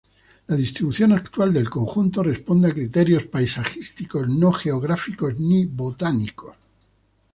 La distribución actual del conjunto, responde a criterios paisajísticos, no geográficos ni botánicos.